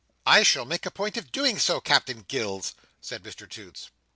"I shall make a point of doing so, Captain Gills," said Mr Toots.